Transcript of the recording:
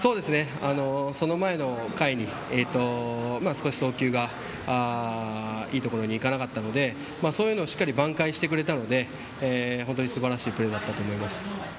その前の回に、少し送球がいいところにいかなかったのでそういうのをしっかりと挽回してくれたので本当にすばらしいプレーだったと思います。